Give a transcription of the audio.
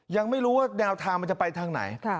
ยังไม่รู้ว่าแนวทางมันจะไปทางไหน